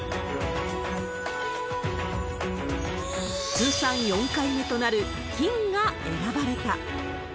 通算４回目となる、金が選ばれた。